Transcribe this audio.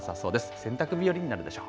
洗濯日和になるでしょう。